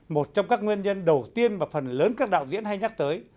một trong các nguyên nhân đầu tiên mà phần lớn các đạo diễn hay nhắc tới